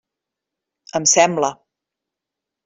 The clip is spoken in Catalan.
Em sembla.